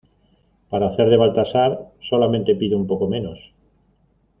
para hacer de Baltasar. solamente pido un poco menos